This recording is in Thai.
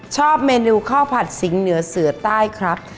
ชอบเมนูข้าวผัดสิงเหนือเสือใต้ครับ